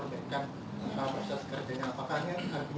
yang kedua dengan berulangnya kasus ini dari kementerian kepala tepung sendiri